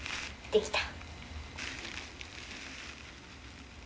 できた！